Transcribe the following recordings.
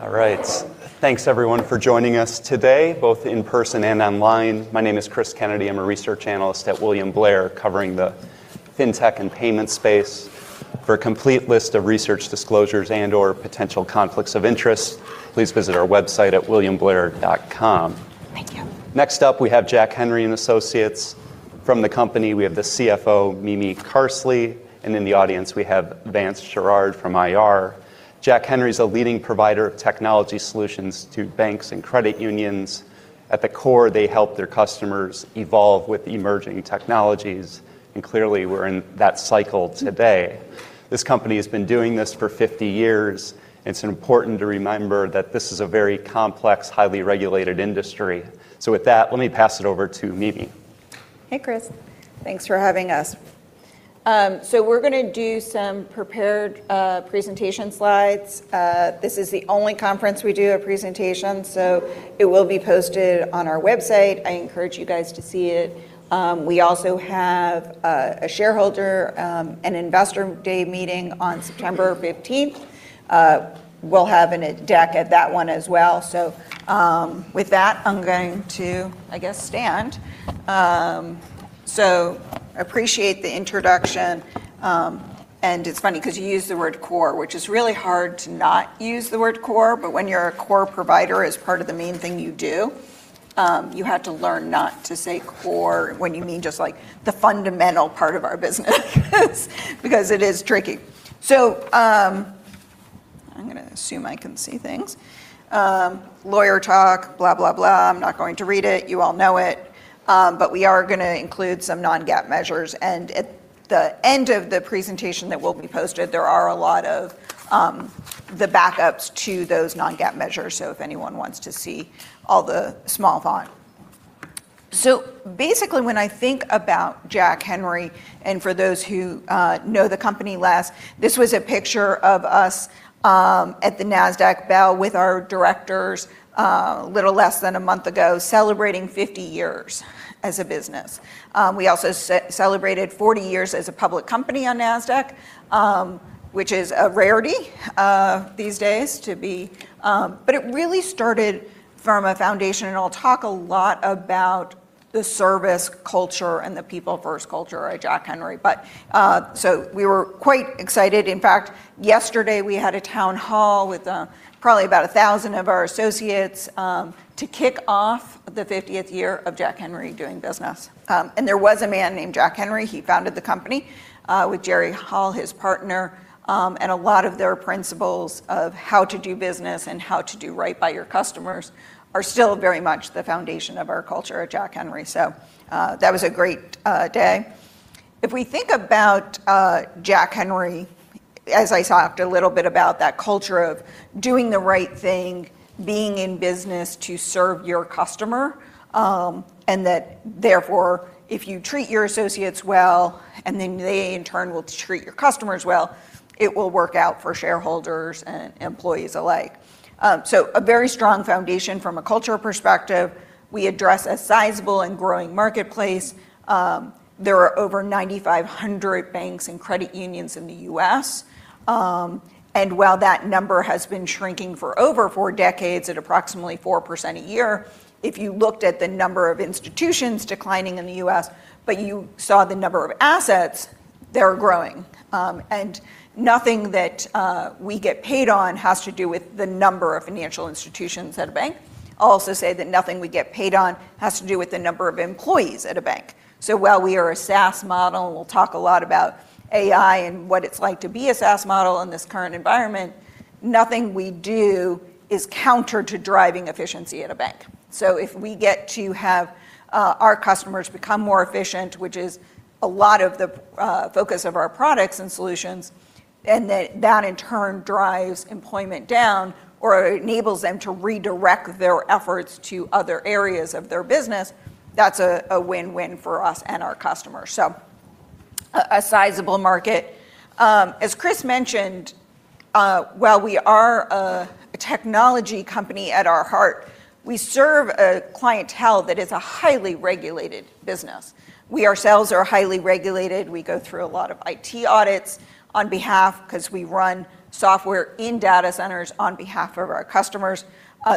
All right. Thanks everyone for joining us today, both in person and online. My name is Chris Kennedy. I'm a research analyst at William Blair covering the fintech and payment space. For a complete list of research disclosures and/or potential conflicts of interest, please visit our website at williamblair.com. Next up, we have Jack Henry & Associates. From the company, we have the CFO, Mimi Carsley, and in the audience, we have Vance Sherard from IR. Jack Henry's a leading provider of technology solutions to banks and credit unions. At the core, they help their customers evolve with emerging technologies, and clearly, we're in that cycle today. This company has been doing this for 50 years, and it's important to remember that this is a very complex, highly regulated industry. With that, let me pass it over to Mimi. Hey, Chris. Thanks for having us. We're going to do some prepared presentation slides. This is the only conference we do a presentation, so it will be posted on our website. I encourage you guys to see it. We also have a shareholder, an investor day meeting on September 15th. We'll have a deck at that one as well. With that, I'm going to, I guess, stand. Appreciate the introduction. It's funny because you used the word core, which is really hard to not use the word core, but when you're a core provider as part of the main thing you do, you have to learn not to say core when you mean just the fundamental part of our business because it is tricky. I'm going to assume I can see things. Lawyer talk, blah, blah. I'm not going to read it. You all know it. We are going to include some non-GAAP measures. At the end of the presentation that will be posted, there are a lot of the backups to those non-GAAP measures. If anyone wants to see all the small font. Basically, when I think about Jack Henry, and for those who know the company less, this was a picture of us at the Nasdaq bell with our directors a little less than a month ago, celebrating 50 years as a business. We also celebrated 40 years as a public company on Nasdaq, which is a rarity these days to be. It really started from a foundation, and I'll talk a lot about the service culture and the people first culture at Jack Henry. We were quite excited. In fact, yesterday we had a town hall with probably about 1,000 of our associates to kick off the 50th year of Jack Henry doing business. There was a man named Jack Henry. He founded the company with Jerry Hall, his partner. A lot of their principles of how to do business and how to do right by your customers are still very much the foundation of our culture at Jack Henry. That was a great day. If we think about Jack Henry, as I talked a little bit about that culture of doing the right thing, being in business to serve your customer, and that therefore, if you treat your associates well and then they in turn will treat your customers well, it will work out for shareholders and employees alike. A very strong foundation from a culture perspective. We address a sizable and growing marketplace. There are over 9,500 banks and credit unions in the U.S. While that number has been shrinking for over four decades at approximately 4% a year, if you looked at the number of institutions declining in the U.S., but you saw the number of assets, they're growing. Nothing that we get paid on has to do with the number of financial institutions at a bank. I'll also say that nothing we get paid on has to do with the number of employees at a bank. While we are a SaaS model and we'll talk a lot about AI and what it's like to be a SaaS model in this current environment, nothing we do is counter to driving efficiency at a bank. If we get to have our customers become more efficient, which is a lot of the focus of our products and solutions, and that in turn drives employment down or enables them to redirect their efforts to other areas of their business, that's a win-win for us and our customers. A sizable market. As Chris mentioned, while we are a technology company at our heart, we serve a clientele that is a highly regulated business. We ourselves are highly regulated. We go through a lot of IT audits on behalf because we run software in data centers on behalf of our customers.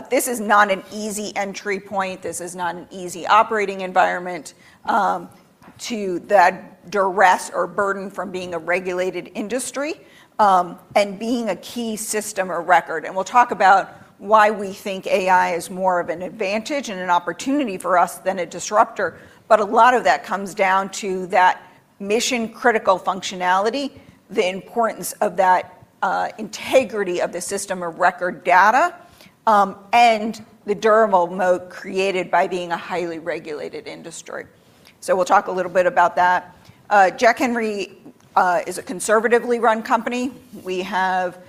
This is not an easy entry point. This is not an easy operating environment to the duress or burden from being a regulated industry, and being a key system of record. We'll talk about why we think AI is more of an advantage and an opportunity for us than a disruptor. A lot of that comes down to that mission-critical functionality, the importance of that integrity of the system of record data, and the durable moat created by being a highly regulated industry. We'll talk a little bit about that. Jack Henry is a conservatively run company. We have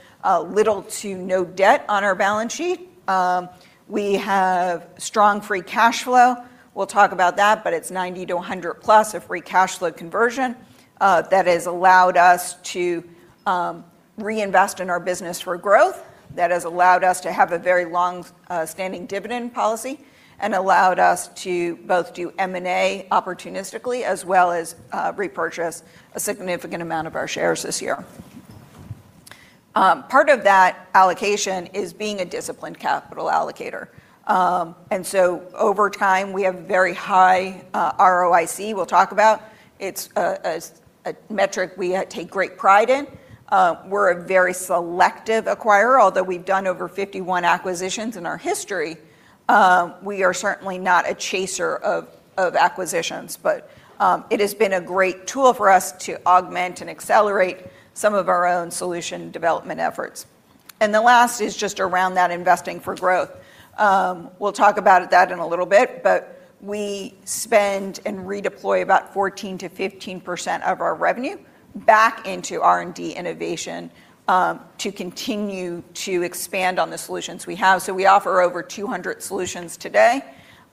little to no debt on our balance sheet. We have strong free cash flow. We'll talk about that, but it's 90 to 100+ of free cash flow conversion. That has allowed us to reinvest in our business for growth, that has allowed us to have a very long-standing dividend policy and allowed us to both do M&A opportunistically as well as repurchase a significant amount of our shares this year. Part of that allocation is being a disciplined capital allocator. Over time, we have very high ROIC we'll talk about. It's a metric we take great pride in. We're a very selective acquirer, although we've done over 51 acquisitions in our history. We are certainly not a chaser of acquisitions. It has been a great tool for us to augment and accelerate some of our own solution development efforts. The last is just around that investing for growth. We'll talk about that in a little bit, but we spend and redeploy about 14%-15% of our revenue back into R&D innovation to continue to expand on the solutions we have. We offer over 200 solutions today.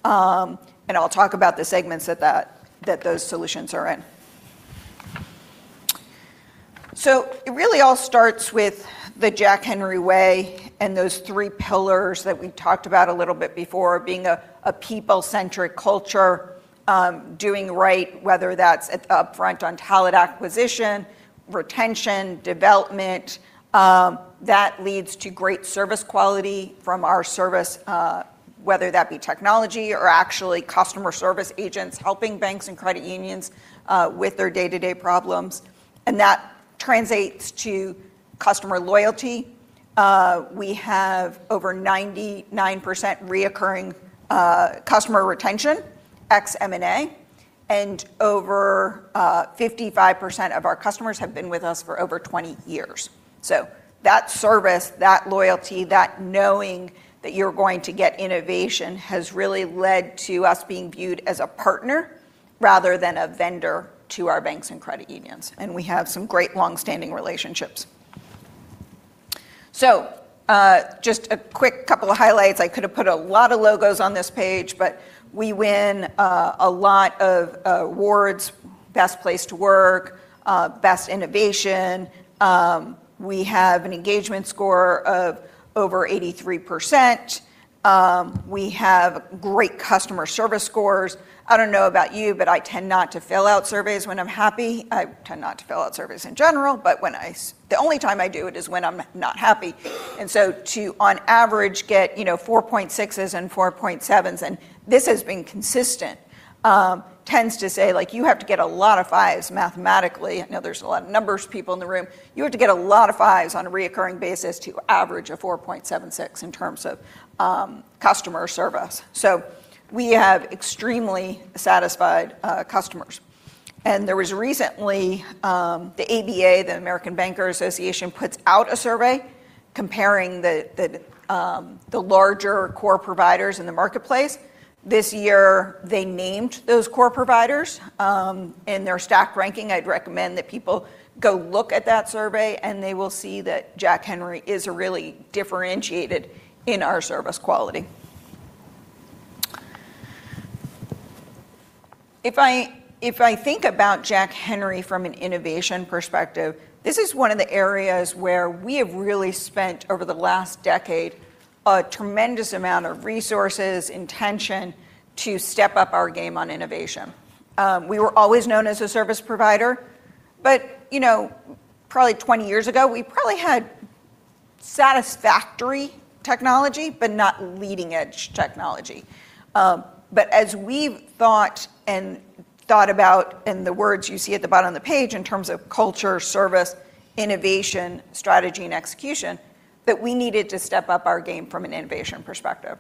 I'll talk about the segments that those solutions are in. It really all starts with the Jack Henry way and those three pillars that we talked about a little bit before, being a people-centric culture. Doing right, whether that's upfront on talent acquisition, retention, development. That leads to great service quality from our service, whether that be technology or actually customer service agents helping banks and credit unions with their day-to-day problems. That translates to customer loyalty. We have over 99% recurring customer retention, ex M&A, and over 55% of our customers have been with us for over 20 years. That service, that loyalty, that knowing that you're going to get innovation has really led to us being viewed as a partner rather than a vendor to our banks and credit unions. We have some great longstanding relationships. Just a quick couple of highlights. I could've put a lot of logos on this page, but we win a lot of awards, best place to work, best innovation. We have an engagement score of over 83%. We have great customer service scores. I don't know about you, but I tend not to fill out surveys when I'm happy. I tend not to fill out surveys in general. The only time I do it is when I'm not happy. To, on average, get 4.6's and 4.7's, and this has been consistent, tends to say you have to get a lot of fives mathematically. I know there's a lot of numbers people in the room. You have to get a lot of fives on a recurring basis to average a 4.76 in terms of customer service. We have extremely satisfied customers. There was recently the ABA, the American Bankers Association, puts out a survey comparing the larger core providers in the marketplace. This year, they named those core providers in their stacked ranking. I'd recommend that people go look at that survey, and they will see that Jack Henry is really differentiated in our service quality. If I think about Jack Henry from an innovation perspective, this is one of the areas where we have really spent, over the last decade, a tremendous amount of resources, intention, to step up our game on innovation. We were always known as a service provider. Probably 20 years ago, we probably had satisfactory technology, but not leading-edge technology. As we've thought about in the words you see at the bottom of the page in terms of culture, service, innovation, strategy, and execution, that we needed to step up our game from an innovation perspective.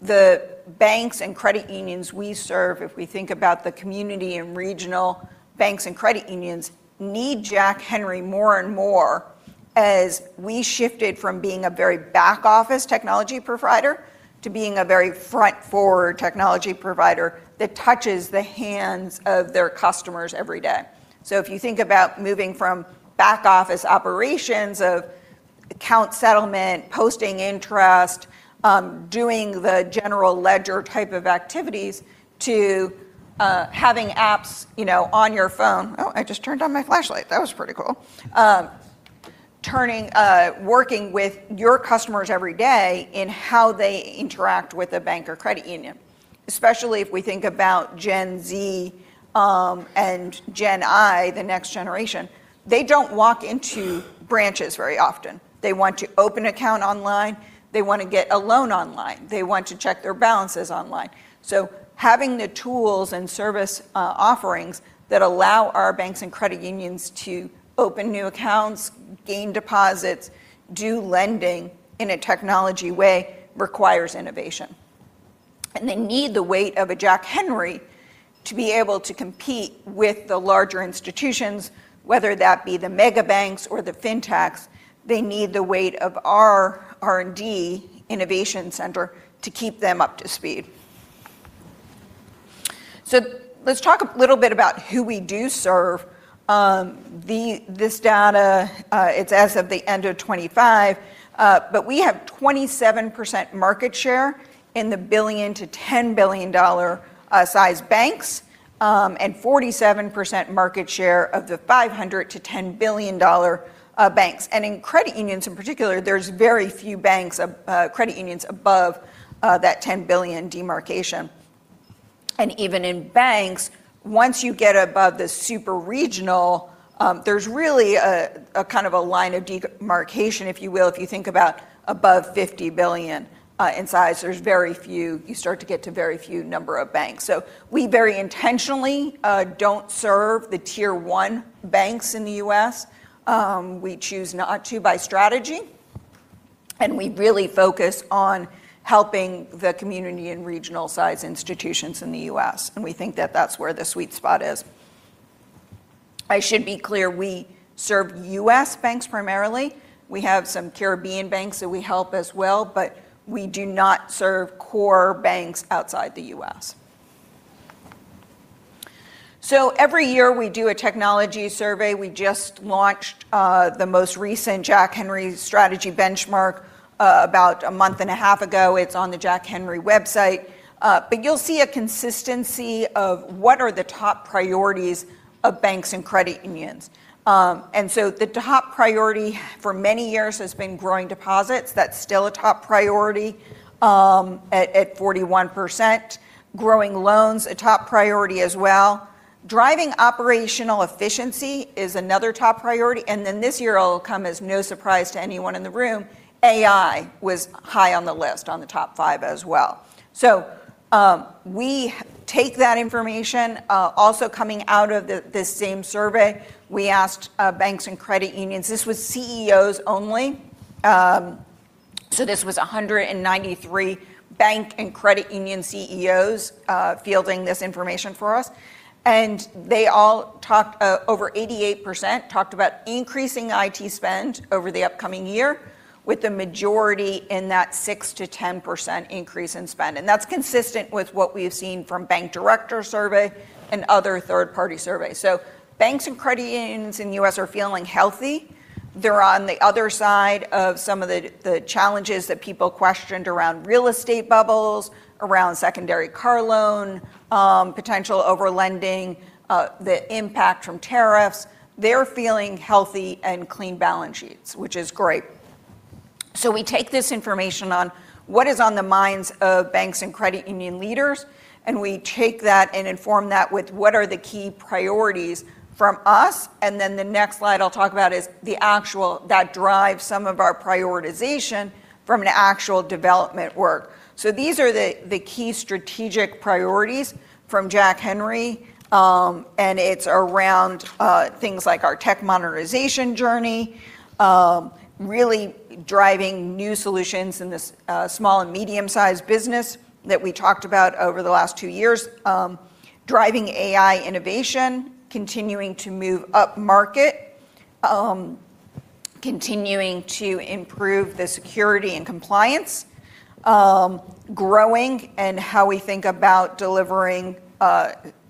The banks and credit unions we serve, if we think about the community and regional banks and credit unions need Jack Henry more and more as we shifted from being a very back office technology provider to being a very front forward technology provider that touches the hands of their customers every day. If you think about moving from back office operations of account settlement, posting interest, doing the general ledger type of activities, to having apps on your phone. Oh, I just turned on my flashlight. That was pretty cool. Working with your customers every day in how they interact with a bank or credit union. Especially if we think about Gen Z and Gen I, the next generation. They don't walk into branches very often. They want to open account online. They want to get a loan online. They want to check their balances online. Having the tools and service offerings that allow our banks and credit unions to open new accounts, gain deposits, do lending in a technology way requires innovation. They need the weight of a Jack Henry to be able to compete with the larger institutions, whether that be the mega banks or the fintechs. They need the weight of our R&D innovation center to keep them up to speed. Let's talk a little bit about who we do serve. This data, it's as of the end of 2025. We have 27% market share in the $1 billion-$10 billion size banks and 47% market share of the $500 million-$10 billion banks. In credit unions in particular, there's very few credit unions above that 10 billion demarcation. Even in banks, once you get above the super-regional, there's really a kind of a line of demarcation, if you will, if you think about above 50 billion in size. You start to get to very few number of banks. We very intentionally don't serve the Tier 1 banks in the U.S. We choose not to by strategy, and we really focus on helping the community and regional size institutions in the U.S., and we think that that's where the sweet spot is. I should be clear, we serve U.S. banks primarily. We have some Caribbean banks that we help as well, but we do not serve core banks outside the U.S. Every year we do a technology survey. We just launched the most recent Jack Henry Strategy Benchmark about a month and a half ago. It's on the Jack Henry website. You'll see a consistency of what are the top priorities of banks and credit unions. The top priority for many years has been growing deposits. That's still a top priority at 41%. Growing loans, a top priority as well. Driving operational efficiency is another top priority. This year, it'll come as no surprise to anyone in the room, AI was high on the list on the top five as well. We take that information. Also coming out of this same survey, we asked banks and credit unions. This was CEOs only. This was 193 bank and credit union CEOs fielding this information for us, over 88% talked about increasing IT spend over the upcoming year with the majority in that 6%-10% increase in spend. That's consistent with what we've seen from Bank Director survey and other third-party surveys. Banks and credit unions in the U.S. are feeling healthy. They're on the other side of some of the challenges that people questioned around real estate bubbles, around secondary car loan, potential over-lending, the impact from tariffs. They're feeling healthy and clean balance sheets, which is great. We take this information on what is on the minds of banks and credit union leaders, and we take that and inform that with what are the key priorities from us. The next slide I'll talk about is the actual that drives some of our prioritization from an actual development work. These are the key strategic priorities from Jack Henry. It's around things like our tech modernization journey. Really driving new solutions in this small and medium sized business that we talked about over the last two years. Driving AI innovation, continuing to move upmarket. Continuing to improve the security and compliance. Growing and how we think about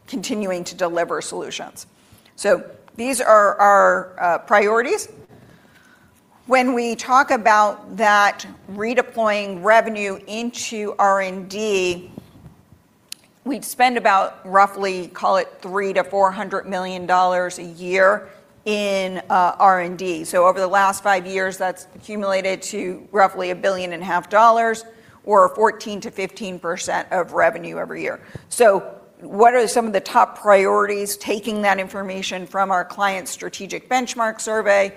continuing to deliver solutions. These are our priorities. When we talk about that redeploying revenue into R&D, we'd spend about roughly, call it $300 million-$400 million a year in R&D. Over the last five years, that's accumulated to roughly $1.5 billion or 14%-15% of revenue every year. What are some of the top priorities, taking that information from our client strategic benchmark survey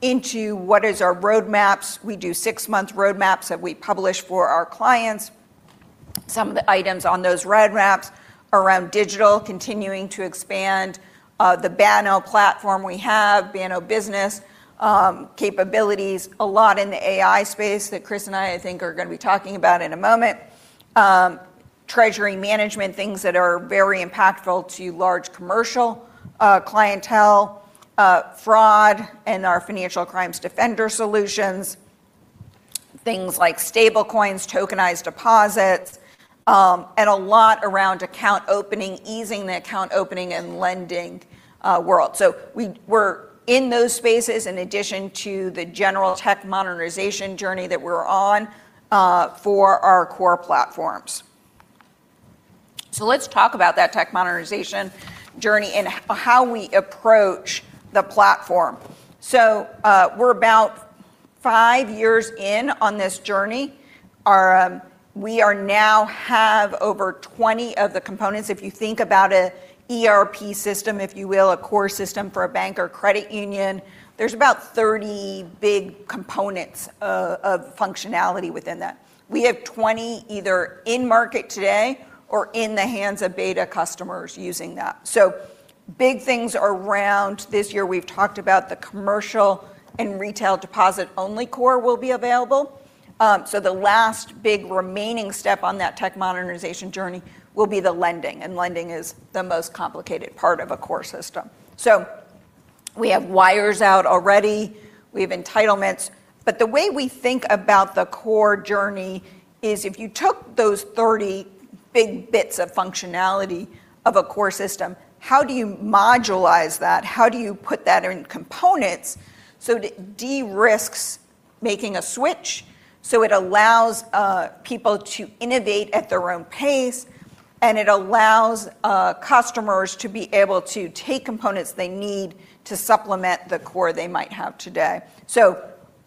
into what is our roadmaps. We do six-month roadmaps that we publish for our clients. Some of the items on those roadmaps around digital continuing to expand, the Banno platform we have, Banno business capabilities, a lot in the AI space that Chris and I think are going to be talking about in a moment. Treasury management, things that are very impactful to large commercial clientele. Fraud and our Financial Crimes Defender solutions. Things like stablecoins, tokenized deposits. A lot around account opening, easing the account opening and lending world. We're in those spaces in addition to the general tech modernization journey that we're on for our core platforms. Let's talk about that tech modernization journey and how we approach the platform. We're about five years in on this journey. We now have over 20 of the components. If you think about a ERP system, if you will, a core system for a bank or credit union, there's about 30 big components of functionality within that. We have 20 either in-market today or in the hands of beta customers using that. Big things around this year, we've talked about the commercial and retail deposit-only core will be available. The last big remaining step on that tech modernization journey will be the lending, and lending is the most complicated part of a core system. We have wires out already. We have entitlements. The way we think about the core journey is if you took those 30 big bits of functionality of a core system, how do you modulize that? How do you put that in components so it de-risks making a switch? It allows people to innovate at their own pace, and it allows customers to be able to take components they need to supplement the core they might have today.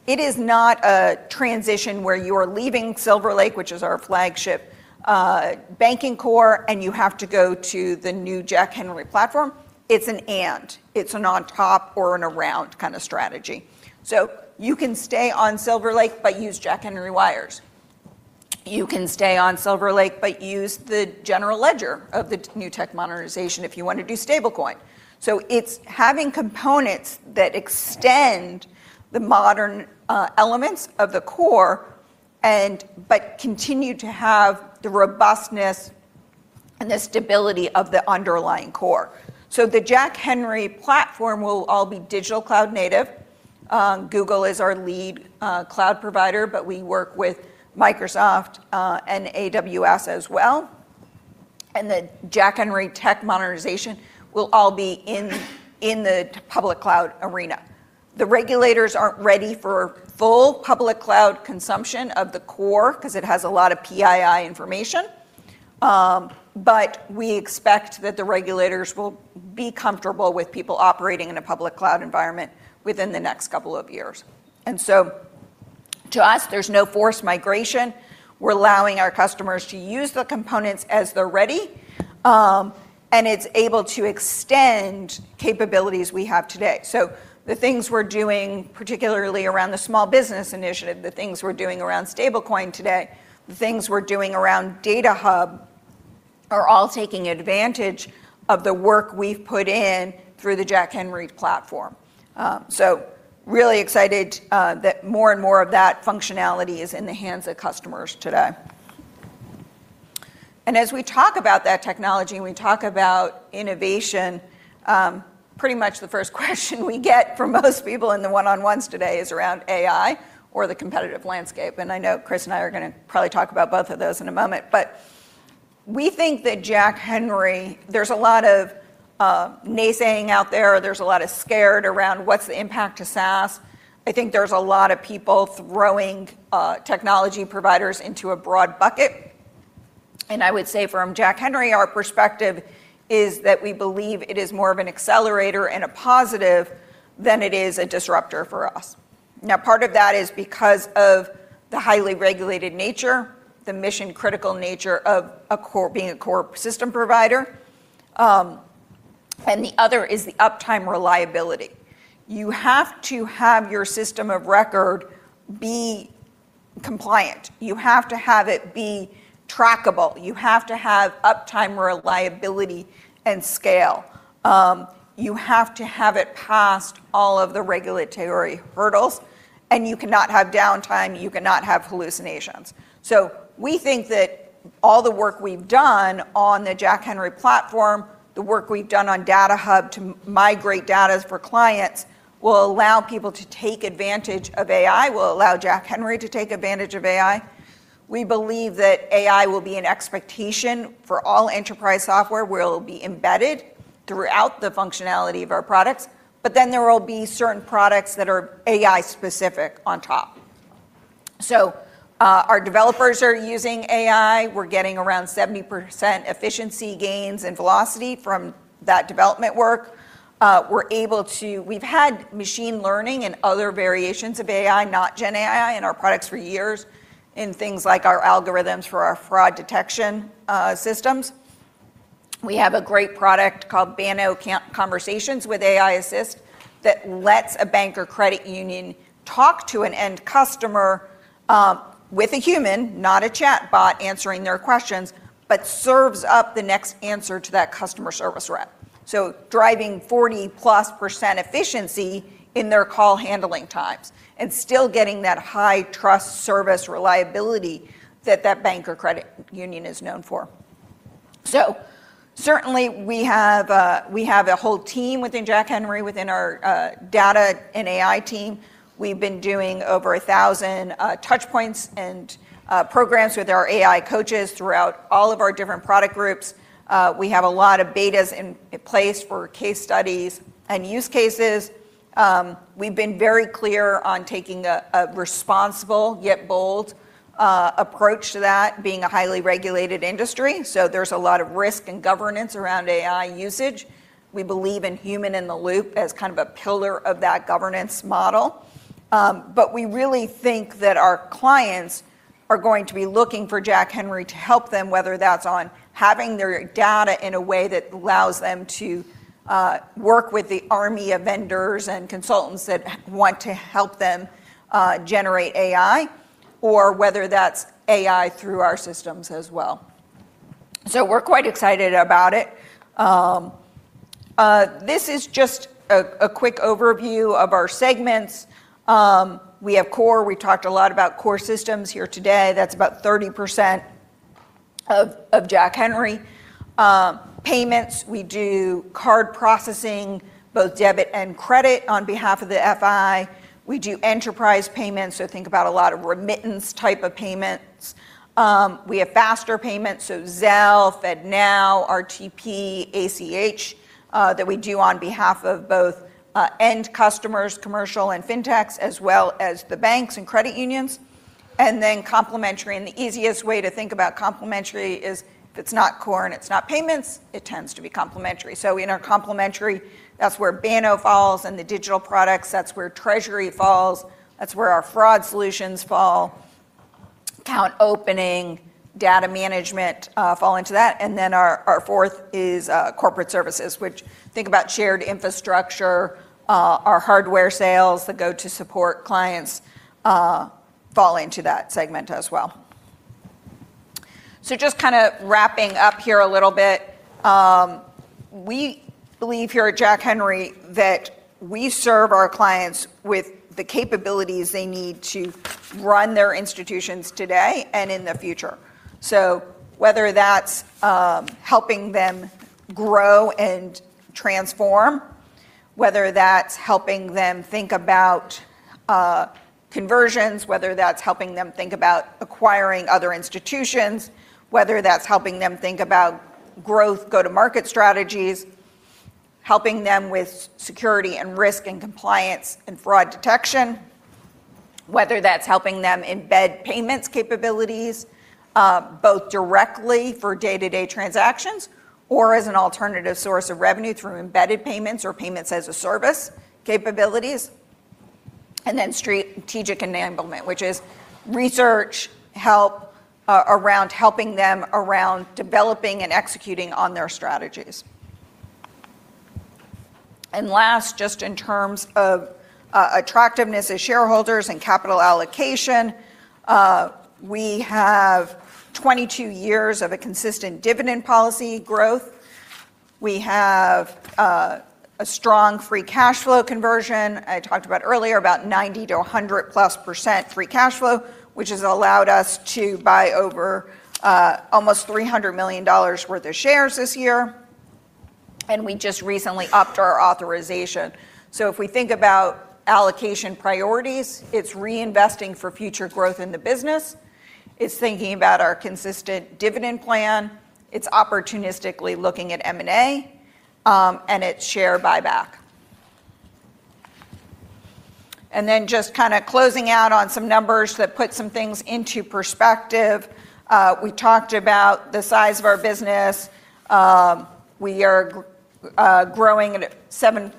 It is not a transition where you are leaving SilverLake, which is our flagship banking core, and you have to go to the new Jack Henry Platform. It's an and. It's an on top or an around kind of strategy. You can stay on SilverLake, but use Jack Henry wires. You can stay on SilverLake, but use the general ledger of the new tech modernization if you want to do stablecoin. It's having components that extend the modern elements of the core, but continue to have the robustness and the stability of the underlying core. The Jack Henry Platform will all be digital cloud native. Google is our lead cloud provider, but we work with Microsoft and AWS as well. The Jack Henry tech modernization will all be in the public cloud arena. The regulators aren't ready for full public cloud consumption of the core because it has a lot of PII information. We expect that the regulators will be comfortable with people operating in a public cloud environment within the next couple of years. To us, there's no forced migration. We're allowing our customers to use the components as they're ready. It's able to extend capabilities we have today. The things we're doing, particularly around the small business initiative, the things we're doing around stablecoin today, the things we're doing around Data Hub are all taking advantage of the work we've put in through the Jack Henry Platform. Really excited that more and more of that functionality is in the hands of customers today. As we talk about that technology, and we talk about innovation, pretty much the first question we get from most people in the one-on-ones today is around AI or the competitive landscape. I know Chris and I are going to probably talk about both of those in a moment. We think that Jack Henry, there's a lot of naysaying out there. There's a lot of scared around what's the impact to SaaS. I think there's a lot of people throwing technology providers into a broad bucket. I would say from Jack Henry, our perspective is that we believe it is more of an accelerator and a positive than it is a disruptor for us. Part of that is because of the highly regulated nature, the mission-critical nature of being a core system provider. The other is the uptime reliability. You have to have your system of record be compliant. You have to have it be trackable. You have to have uptime reliability and scale. You have to have it pass all of the regulatory hurdles, and you cannot have downtime, you cannot have hallucinations. We think that all the work we've done on the Jack Henry Platform, the work we've done on Data Hub to migrate data for clients will allow people to take advantage of AI, will allow Jack Henry to take advantage of AI. We believe that AI will be an expectation for all enterprise software, will be embedded throughout the functionality of our products, but then there will be certain products that are AI-specific on top. Our developers are using AI. We're getting around 70% efficiency gains and velocity from that development work. We've had machine learning and other variations of AI, not Gen AI, in our products for years in things like our algorithms for our fraud detection systems. We have a great product called Banno Conversations with AI Assist that lets a bank or credit union talk to an end customer, with a human, not a chatbot, answering their questions, but serves up the next answer to that customer service rep. Driving 40%+ efficiency in their call handling times and still getting that high trust service reliability that that bank or credit union is known for. Certainly we have a whole team within Jack Henry, within our data and AI team. We've been doing over 1,000 touchpoints and programs with our AI coaches throughout all of our different product groups. We have a lot of betas in place for case studies and use cases. We've been very clear on taking a responsible yet bold approach to that being a highly regulated industry. There's a lot of risk and governance around AI usage. We believe in human in the loop as kind of a pillar of that governance model. We really think that our clients are going to be looking for Jack Henry to help them, whether that's on having their data in a way that allows them to work with the army of vendors and consultants that want to help them generate AI, or whether that's AI through our systems as well. We're quite excited about it. This is just a quick overview of our segments. We have core. We talked a lot about core systems here today. That's about 30% of Jack Henry. Payments, we do card processing, both debit and credit on behalf of the FI. We do enterprise payments, so think about a lot of remittance type of payments. We have faster payments, so Zelle, FedNow, RTP, ACH that we do on behalf of both end customers, commercial, and fintechs, as well as the banks and credit unions. Then complementary. The easiest way to think about complementary is if it's not core and it's not payments, it tends to be complementary. In our complementary, that's where Banno falls and the digital products, that's where treasury falls, that's where our fraud solutions fall, account opening, data management fall into that. Then our fourth is corporate services, which think about shared infrastructure, our hardware sales that go to support clients fall into that segment as well. Just kind of wrapping up here a little bit. We believe here at Jack Henry that we serve our clients with the capabilities they need to run their institutions today and in the future. Whether that's helping them grow and transform, whether that's helping them think about conversions, whether that's helping them think about acquiring other institutions, whether that's helping them think about growth, go-to-market strategies, helping them with security and risk and compliance and fraud detection, whether that's helping them embed payments capabilities both directly for day-to-day transactions or as an alternative source of revenue through embedded payments or payments as a service capabilities. Then strategic enablement, which is research help around helping them around developing and executing on their strategies. Last, just in terms of attractiveness as shareholders and capital allocation, we have 22 years of a consistent dividend policy growth. We have a strong free cash flow conversion. I talked about earlier, about 90%-100%+ free cash flow, which has allowed us to buy over almost $300 million worth of shares this year. We just recently upped our authorization. If we think about allocation priorities, it's reinvesting for future growth in the business. It's thinking about our consistent dividend plan. It's opportunistically looking at M&A, and it's share buyback. Just kind of closing out on some numbers that put some things into perspective. We talked about the size of our business. We are growing at a 7.4%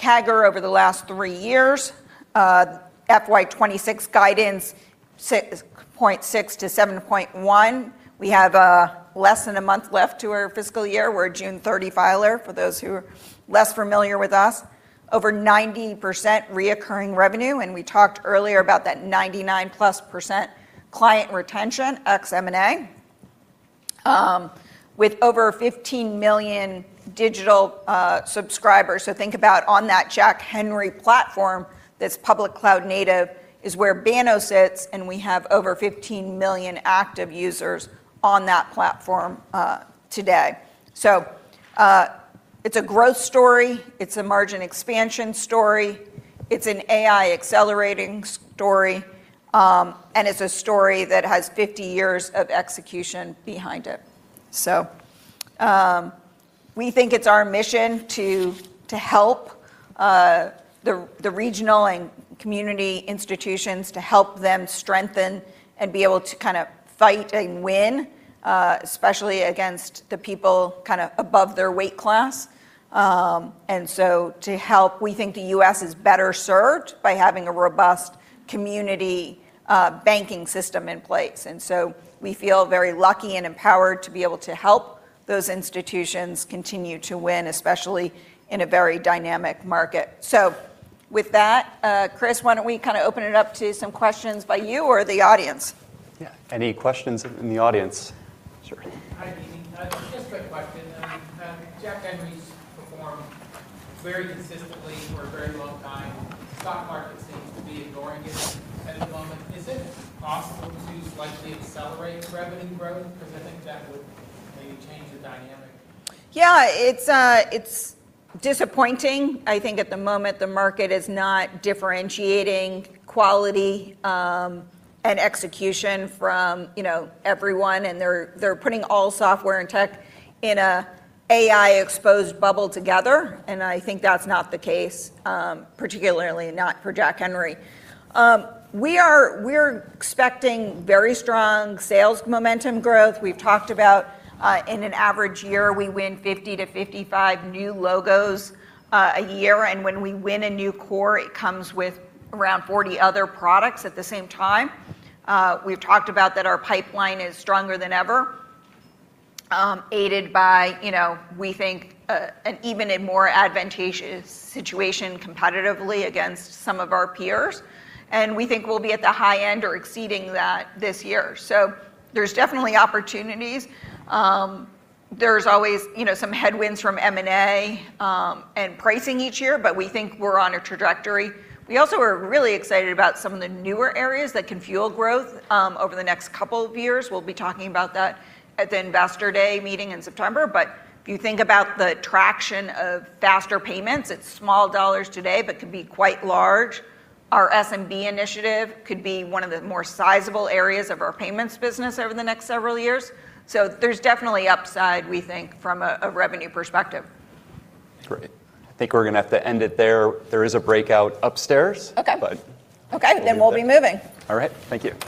CAGR over the last three years. FY 2026 guidance 6.6%-7.1%. We have less than a month left to our fiscal year. We're a June 30 filer, for those who are less familiar with us. Over 90% reoccurring revenue. We talked earlier about that 99%+ client retention, ex M&A, with over 15 million digital subscribers. Think about on that Jack Henry Platform, that's public cloud native is where Banno sits, and we have over 15 million active users on that platform today. It's a growth story. It's a margin expansion story. It's an AI accelerating story. It's a story that has 50 years of execution behind it. We think it's our mission to help the regional and community institutions to help them strengthen and be able to fight and win, especially against the people above their weight class. To help, we think the U.S. is better served by having a robust community banking system in place. We feel very lucky and empowered to be able to help those institutions continue to win, especially in a very dynamic market. With that, Chris, why don't we open it up to some questions by you or the audience? Yeah. Any questions in the audience? Sure. Hi, Mimi. Just a quick question. Jack Henry's performed very consistently for a very long time. Stock market seems to be ignoring it at the moment. Is it possible to slightly accelerate revenue growth? I think that would maybe change the dynamic. Yeah, it's disappointing. I think at the moment, the market is not differentiating quality and execution from everyone. They're putting all software and tech in an AI-exposed bubble together. I think that's not the case, particularly not for Jack Henry. We're expecting very strong sales momentum growth. We've talked about in an average year, we win 50 to 55 new logos a year. When we win a new core, it comes with around 40 other products at the same time. We've talked about that our pipeline is stronger than ever, aided by we think an even a more advantageous situation competitively against some of our peers. We think we'll be at the high end or exceeding that this year. There's definitely opportunities. There's always some headwinds from M&A and pricing each year, but we think we're on a trajectory. We also are really excited about some of the newer areas that can fuel growth over the next couple of years. We'll be talking about that at the Investor Day meeting in September. If you think about the traction of faster payments, it's small dollars today, but could be quite large. Our SMB initiative could be one of the more sizable areas of our payments business over the next several years. There's definitely upside, we think, from a revenue perspective. That's great. I think we're going to have to end it there. There is a breakout upstairs. Okay. Then we'll be moving. All right. Thank you.